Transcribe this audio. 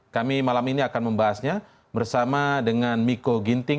kami malam ini akan membahasnya bersama dengan miko ginting